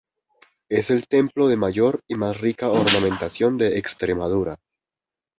Es el templo de mayor y más rica ornamentación de Extremadura.